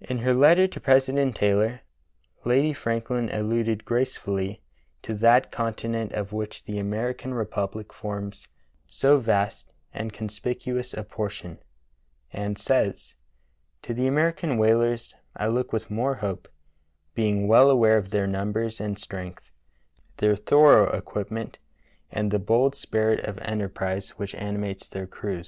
In her letter to President Taylor, Lady Frankhn al luded gracefully to "that continent of which the Amer ican repubhc forms so vast and conspicuous a portion,'* and says: "To the American whalers I look v/ith more hope, being well aware of their numbers and strength, their thorough equipment, and the bold spirit of enter Heroic Devotion of Lady Jane Franklin 173 prise which animates their crews.